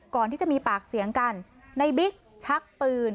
ก่อนที่จะมีปากเสียงกันในบิ๊กชักปืน